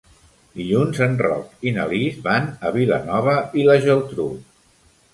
Dilluns en Roc i na Lis van a Vilanova i la Geltrú.